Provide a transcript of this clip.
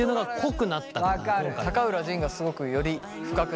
高浦仁がすごくより深くなったよね。